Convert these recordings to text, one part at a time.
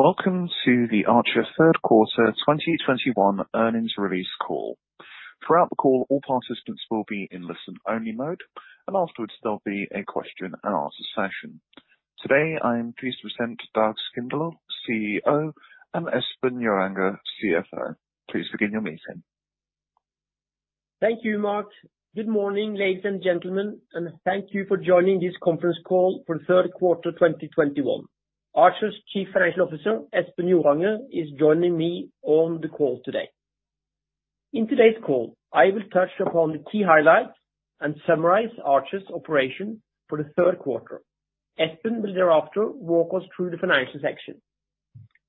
Welcome to the Archer third quarter 2021 earnings release call. Throughout the call, all participants will be in listen-only mode, and afterwards there'll be a question-and-answer session. Today, I am pleased to present Dag Skindlo, CEO, and Espen Joranger, CFO. Please begin your meeting. Thank you, Mark. Good morning, ladies and gentlemen, and thank you for joining this conference call for the third quarter 2021. Archer's Chief Financial Officer, Espen Joranger, is joining me on the call today. In today's call, I will touch upon the key highlights and summarize Archer's operation for the third quarter. Espen will thereafter walk us through the financial section.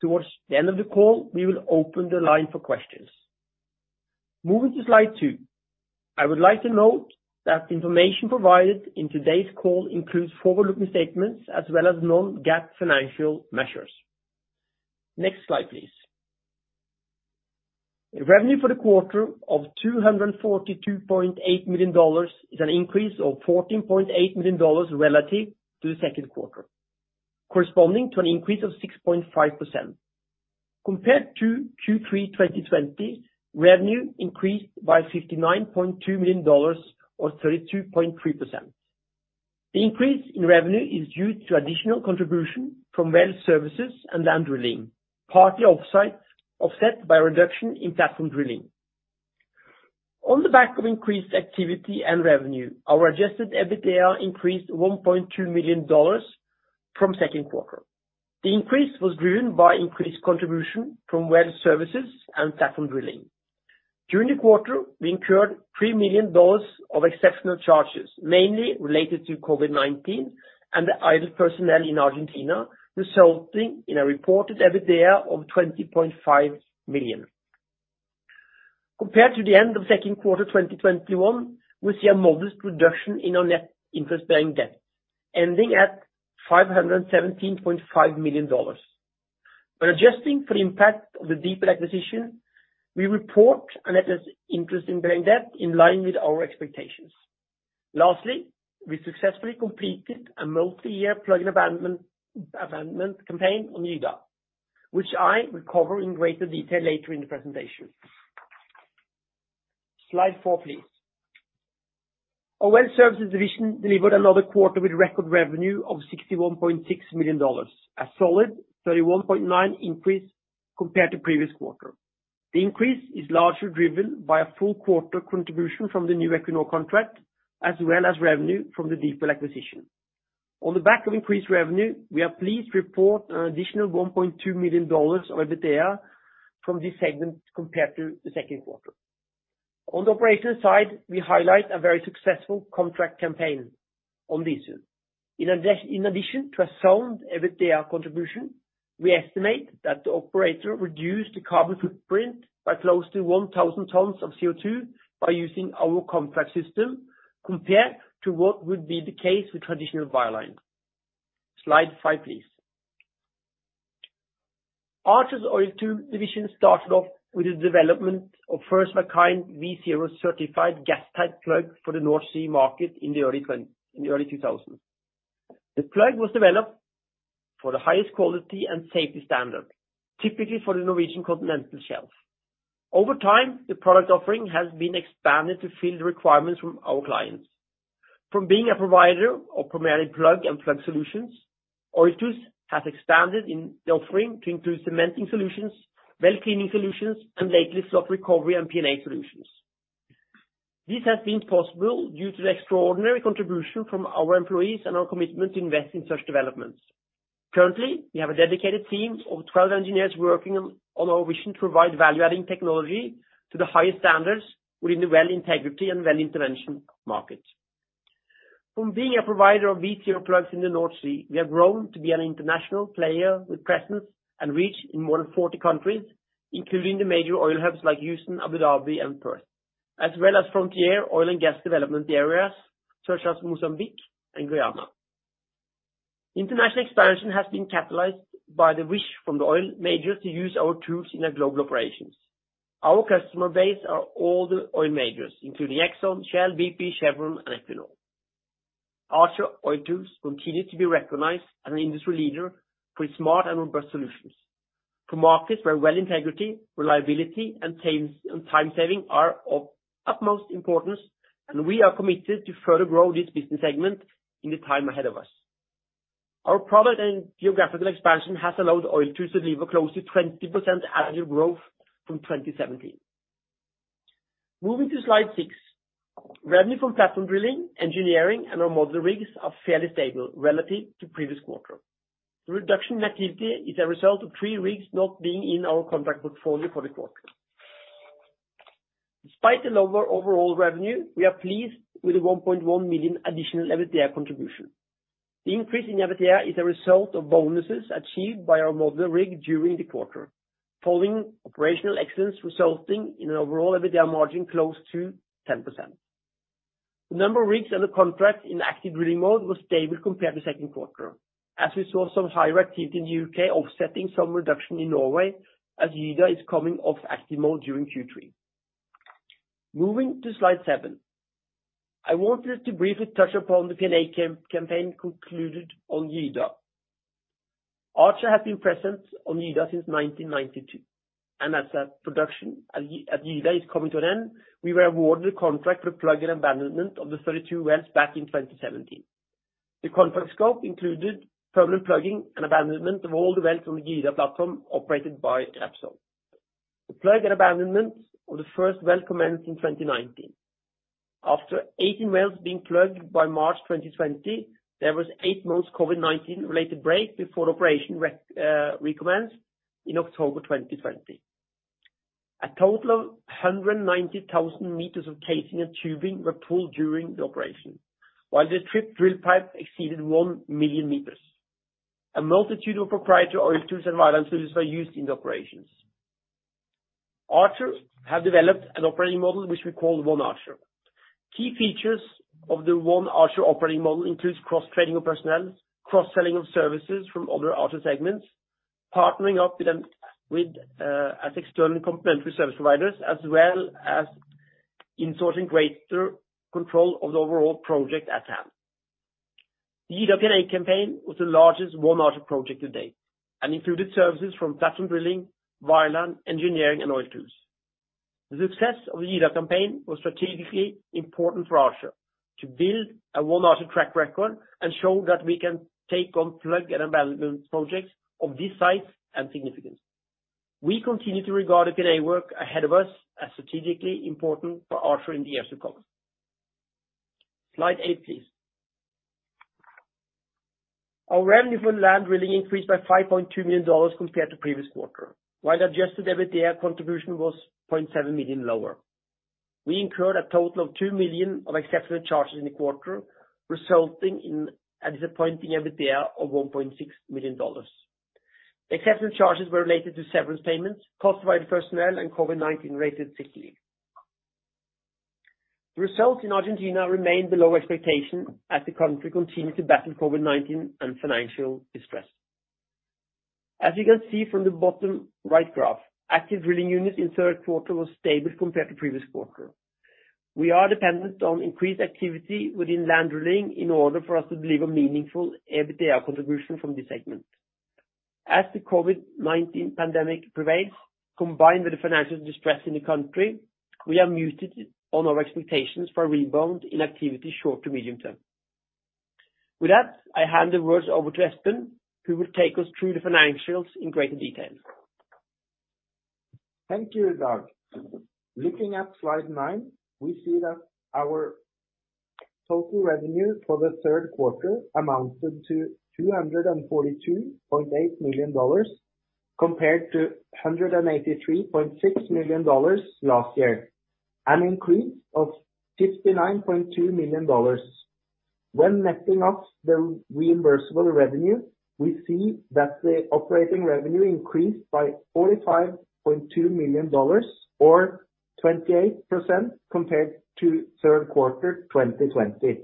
Towards the end of the call, we will open the line for questions. Moving to slide two. I would like to note that the information provided in today's call includes forward-looking statements as well as non-GAAP financial measures. Next slide, please. The revenue for the quarter of $242.8 million is an increase of $14.8 million relative to the second quarter, corresponding to an increase of 6.5%. Compared to Q3 2020, revenue increased by $59.2 million or 32.3%. The increase in revenue is due to additional contribution from Well Services and Land Drilling, partly offset by reduction in Platform Drilling. On the back of increased activity and revenue, our Adjusted EBITDA increased $1.2 million from second quarter. The increase was driven by increased contribution from Well Services and Platform Drilling. During the quarter, we incurred $3 million of exceptional charges, mainly related to COVID-19 and the idle personnel in Argentina, resulting in a reported EBITDA of $20.5 million. Compared to the end of second quarter 2021, we see a modest reduction in our Net Interest-Bearing Debt, ending at $517.5 million. By adjusting for the impact of the DLS deconsolidation, we report a net interest-bearing debt in line with our expectations. Lastly, we successfully completed a multi-year plug and abandonment, abandonment campaign on Gyda, which I will cover in greater detail later in the presentation. Slide four, please. Our Well Services division delivered another quarter with record revenue of $61.6 million, a solid 31.9% increase compared to previous quarter. The increase is largely driven by a full quarter contribution from the new Equinor contract, as well as revenue from the Baker acquisition. On the back of increased revenue, we are pleased to report an additional $1.2 million of EBITDA from this segment compared to the second quarter. On the operations side, we highlight a very successful contract campaign on this. In addition to a sound EBITDA contribution, we estimate that the operator reduced the carbon footprint by close to 1,000 tons of CO2 by using our contract system compared to what would be the case with traditional wireline. Slide five, please. Archer's Oil Tool division started off with the development of first-of-its-kind V0-certified gas-tight plug for the North Sea market in the early 2000s. The plug was developed for the highest quality and safety standard, typically for the Norwegian Continental Shelf. Over time, the product offering has been expanded to fill the requirements from our clients. From being a provider of primarily plug and plugs solutions, Oiltools has expanded in the offering to include cementing solutions, well cleaning solutions, and lately, slot recovery and P&A solutions. This has been possible due to the extraordinary contribution from our employees and our commitment to invest in such developments. Currently, we have a dedicated team of 12 engineers working on our vision to provide value-adding technology to the highest standards within the well integrity and well intervention market. From being a provider of V0 plugs in the North Sea, we have grown to be an international player with presence and reach in more than 40 countries, including the major oil hubs like Houston, Abu Dhabi, and Perth, as well as frontier oil and gas development areas such as Mozambique and Guyana. International expansion has been catalyzed by the wish from the oil majors to use our tools in their global operations. Our customer base are all the oil majors, including Exxon, Shell, BP, Chevron, and Equinor. Archer Oiltools continue to be recognized as an industry leader for its smart and robust solutions for markets where well integrity, reliability, and time saving are of utmost importance, and we are committed to further grow this business segment in the time ahead of us. Our product and geographical expansion has allowed Oiltools to deliver close to 20% annual growth from 2017. Moving to slide six, revenue from Platform Drilling, engineering, and our modular rigs are fairly stable relative to previous quarter. The reduction in activity is a result of three rigs not being in our contract portfolio for the quarter. Despite the lower overall revenue, we are pleased with the $1.1 million additional EBITDA contribution. The increase in EBITDA is a result of bonuses achieved by our modular rig during the quarter, following operational excellence, resulting in an overall EBITDA margin close to 10%. The number of rigs under contract in active drilling mode was stable compared to second quarter, as we saw some higher activity in the U.K., offsetting some reduction in Norway, as Gyda is coming off active mode during Q3. Moving to slide seven, I want us to briefly touch upon the P&A campaign concluded on Gyda. Archer has been present on Gyda since 1992, and as our production at Gyda is coming to an end, we were awarded a contract for plug and abandonment of the 32 wells back in 2017. The contract scope included permanent plugging and abandonment of all the wells on the Gyda platform operated by Repsol. The plug and abandonment of the first well commenced in 2019. After 18 wells being plugged by March 2020, there was eight months COVID-19-related break before operation recommenced in October 2020. A total of 190,000 meters of casing and tubing were pulled during the operation, while the trip drill pipe exceeded 1 million meters. A multitude of proprietary Oiltools and Wireline services were used in the operations. Archer have developed an operating model, which we call One Archer. Key features of the One Archer operating model includes cross-training of personnel, cross-selling of services from other Archer segments, partnering up with them as external complementary service providers, as well as ensuring greater control of the overall project at hand. The Gyda P&A campaign was the largest One Archer project to date, and included services from Platform Drilling, wireline, engineering, and Oiltools. The success of the Gyda campaign was strategically important for Archer to build a One Archer track record and show that we can take on plug and abandonment projects of this size and significance. We continue to regard the P&A work ahead of us as strategically important for Archer in the years to come. Slide eight, please. Our revenue from land drilling increased by $5.2 million compared to previous quarter, while Adjusted EBITDA contribution was $0.7 million lower. We incurred a total of $2 million of exceptional charges in the quarter, resulting in a disappointing EBITDA of $1.6 million. Exceptional charges were related to severance payments, cost-provide personnel, and COVID-19 related safety. The results in Argentina remained below expectation as the country continued to battle COVID-19 and financial distress. As you can see from the bottom right graph, active drilling units in third quarter was stable compared to previous quarter. We are dependent on increased activity within land drilling in order for us to deliver meaningful EBITDA contribution from this segment. As the COVID-19 pandemic prevails, combined with the financial distress in the country, we are muted on our expectations for a rebound in activity short to medium term. With that, I hand the words over to Espen, who will take us through the financials in greater detail. Thank you, Dag. Looking at slide nine, we see that our total revenue for the third quarter amounted to $242.8 million, compared to $183.6 million last year, an increase of $69.2 million. When netting off the reimbursable revenue, we see that the operating revenue increased by $45.2 million, or 28% compared to third quarter 2020.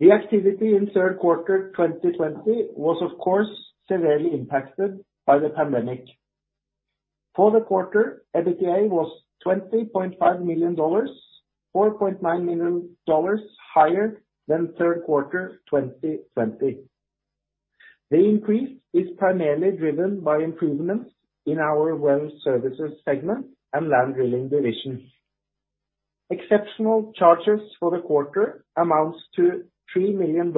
The activity in third quarter 2020 was, of course, severely impacted by the pandemic. For the quarter, EBITDA was $20.5 million, $4.9 million higher than third quarter 2020. The increase is primarily driven by improvements in our Well Services segment and land drilling division. Exceptional charges for the quarter amounts to $3 million,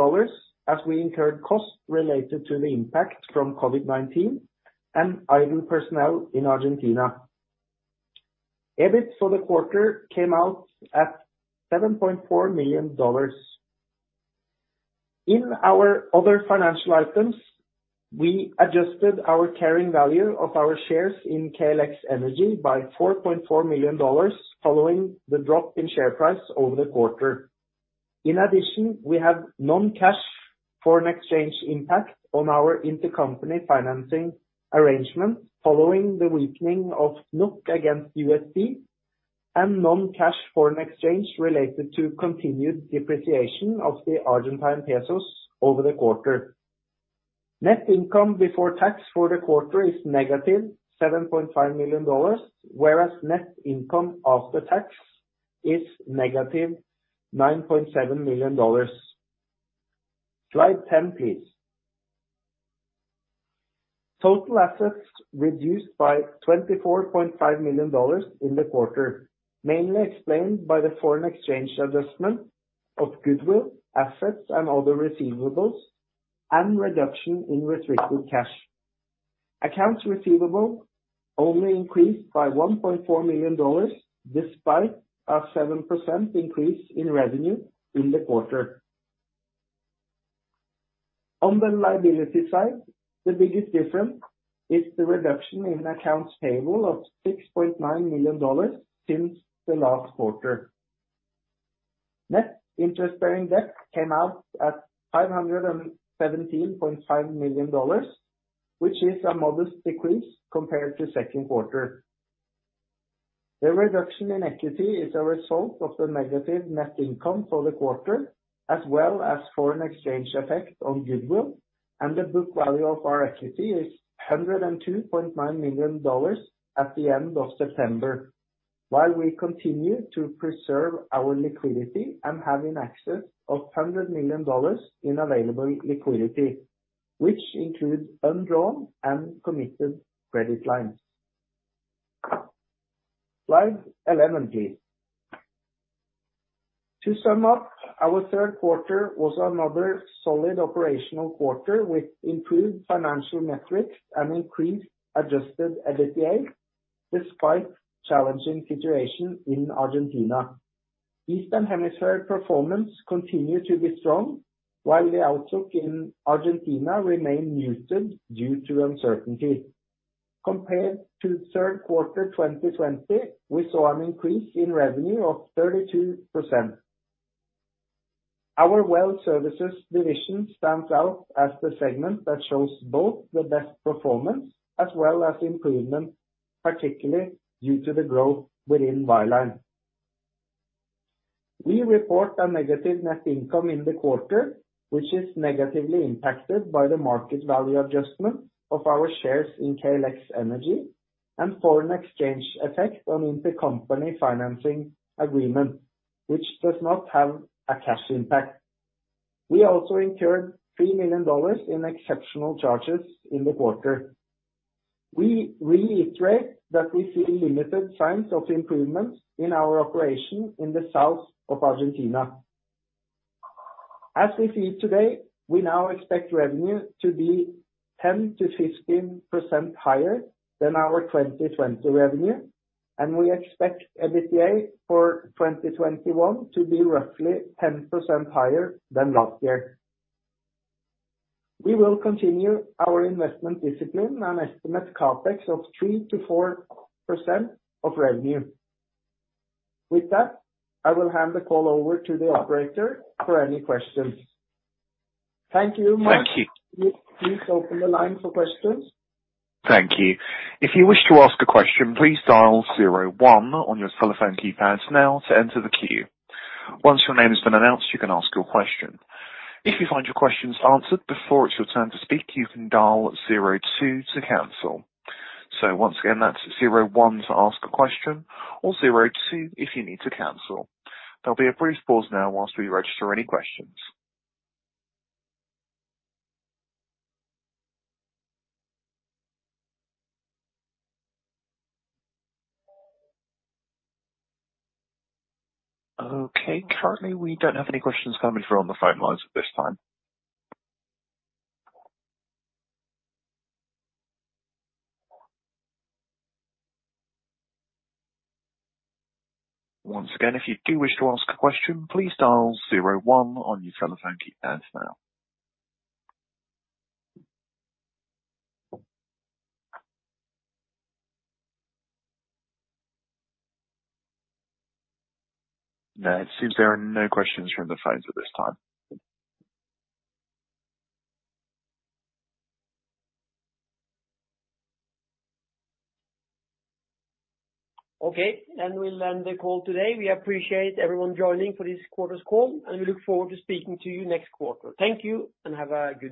as we incurred costs related to the impact from COVID-19 and idle personnel in Argentina. EBIT for the quarter came out at $7.4 million. In our other financial items, we adjusted our carrying value of our shares in KLX Energy by $4.4 million, following the drop in share price over the quarter. In addition, we have non-cash foreign exchange impact on our intercompany financing arrangement, following the weakening of NOK against USD, and non-cash foreign exchange related to continued depreciation of the Argentine pesos over the quarter. Net income before tax for the quarter is -$7.5 million, whereas net income after tax is -$9.7 million. Slide 10, please. Total assets reduced by $24.5 million in the quarter, mainly explained by the foreign exchange adjustment of goodwill, assets, and other receivables, and reduction in restricted cash. Accounts receivable only increased by $1.4 million, despite a 7% increase in revenue in the quarter. On the liability side, the biggest difference is the reduction in accounts payable of $6.9 million since the last quarter. Net interest-bearing debt came out at $517.5 million, which is a modest decrease compared to second quarter. The reduction in equity is a result of the negative net income for the quarter, as well as foreign exchange effect on goodwill. The book value of our equity is $102.9 million at the end of September, while we continue to preserve our liquidity and having access of $100 million in available liquidity, which includes undrawn and committed credit lines. Slide 11, please. To sum up, our third quarter was another solid operational quarter with improved financial metrics and increased Adjusted EBITDA, despite challenging situation in Argentina. Eastern Hemisphere performance continued to be strong, while the outlook in Argentina remained muted due to uncertainty. Compared to third quarter 2020, we saw an increase in revenue of 32%. Our Well Services division stands out as the segment that shows both the best performance as well as improvement, particularly due to the growth within Wireline. We report a negative net income in the quarter, which is negatively impacted by the market value adjustment of our shares in KLX Energy and foreign exchange effect on intercompany financing agreement, which does not have a cash impact. We also incurred $3 million in exceptional charges in the quarter. We reiterate that we see limited signs of improvement in our operation in the south of Argentina. As we see today, we now expect revenue to be 10%-15% higher than our 2020 revenue, and we expect EBITDA for 2021 to be roughly 10% higher than last year. We will continue our investment discipline and estimate CapEx of 3%-4% of revenue. With that, I will hand the call over to the operator for any questions. Thank you. Thank you. Please open the line for questions. Thank you. If you wish to ask a question, please dial zero one on your telephone keypad now to enter the queue. Once your name has been announced, you can ask your question. If you find your questions answered before it's your turn to speak, you can dial zero two to cancel. Once again, that's zero one to ask a question or zero two if you need to cancel. There'll be a brief pause now whilst we register any questions. Okay, currently, we don't have any questions coming through on the phone lines at this time. Once again, if you do wish to ask a question, please dial zero one on your telephone keypad now. No, it seems there are no questions from the phones at this time. Okay, and we'll end the call today. We appreciate everyone joining for this quarter's call, and we look forward to speaking to you next quarter. Thank you, and have a good day.